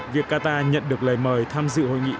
việc qatar nhận được lời mời tham dự hội nghị